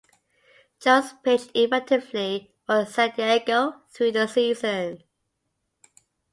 Jones pitched effectively for San Diego through the season.